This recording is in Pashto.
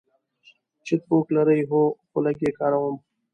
چک بوک لرئ؟ هو، خو لږ یی کاروم